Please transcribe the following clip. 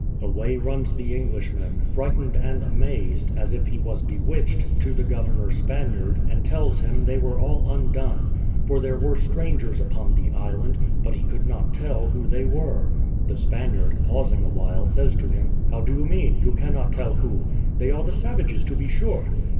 Away runs the Englishman, frightened and amazed, as if he was bewitched, to the governor Spaniard, and tells him they were all undone, for there were strangers upon the island, but he could not tell who they were. The Spaniard, pausing a while, says to him, "How do you mean you cannot tell who? They are the savages, to be sure."